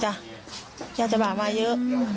จ้ะญาติเจ้าบ่าวมาเยอะ